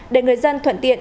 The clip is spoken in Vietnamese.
để người dân thuận tiện